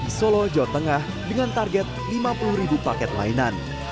di solo jawa tengah dengan target lima puluh ribu paket lainan